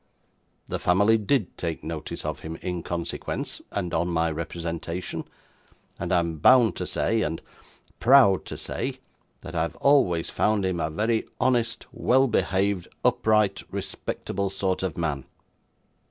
The family DID take notice of him, in consequence, and on my representation; and I am bound to say and proud to say that I have always found him a very honest, well behaved, upright, respectable sort of man.